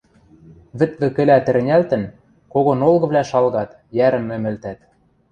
вӹд вӹкӹлӓ тӹрӹнялтӹн, кого нолгывлӓ шалгат, йӓрӹм ӹмӹлтӓт.